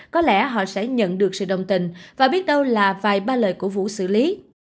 có lẽ họ sẽ nhận được sự đồng tình và biết đâu là vài ba lời cổ vũ xử lý